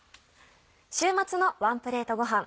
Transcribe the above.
週末のワンプレートごはん。